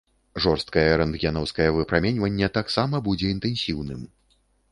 Жорсткае рэнтгенаўскае выпраменьванне таксама будзе інтэнсіўным.